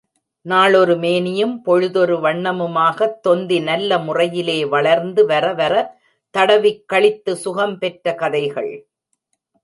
நாளொரு மேனியும் பொழுதொரு வண்ணமுமாகத் தொந்தி நல்லமுறையிலே வளர்ந்து வர வர தடவிக் களித்து சுகம் பெற்ற கதைகள்.